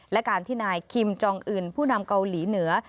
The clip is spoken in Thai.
และการที่นายคิมจองอื่นผู้นำเกาหลีเหนือ